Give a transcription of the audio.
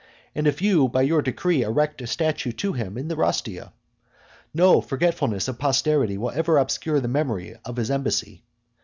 And if you by your decree erect a statue to him in the rostia, no forgetfulness of posterity will ever obscure the memory of his embassy.